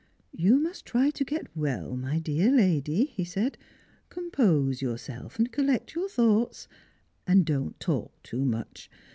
" You must try to get well, my dear lady," he said ;" compose yourself, and collect your thoughts, and don't talk too much.